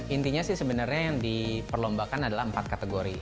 intinya sih sebenarnya yang diperlombakan adalah empat kategori